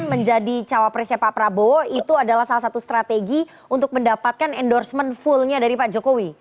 menjadi cawapresnya pak prabowo itu adalah salah satu strategi untuk mendapatkan endorsement fullnya dari pak jokowi